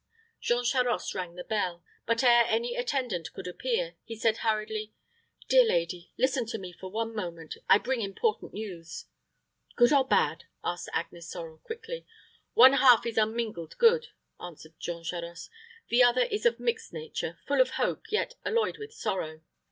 Jean Charost rang the bell; but ere any attendant could appear, he said, hurriedly, "Dear lady, listen to me for one moment: I bring important news." "Good or bad?" asked Agnes Sorel, quickly. "One half is unmingled good," answered Jean Charost; "the other is of a mixed nature, full of hope, yet alloyed with sorrow."